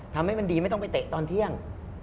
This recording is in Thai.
ทำให้มันดีไม่ต้องไปเตะตอนเที่ยง